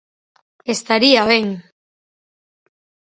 ¡Estaría ben!